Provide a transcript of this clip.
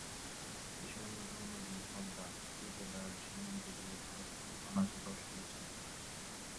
দেশের প্রধানতম নদী পদ্মা এই জেলার সীমান্ত দিয়ে ভারত থেকে বাংলাদেশে প্রবেশ করেছে।